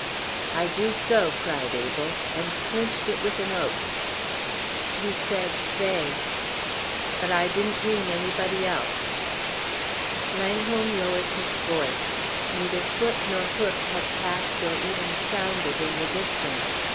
"I do so!" cried Abel, and clinched it with an oath. "You said 'they.'" "But I didn't mean anybody else." Langholm lowered his voice. Neither foot nor hoof had passed or even sounded in the distance.